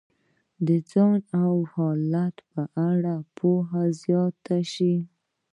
د ځان او حالت په اړه پوهه زیاتولی شي.